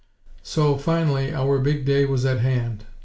So, finally our big day was at hand!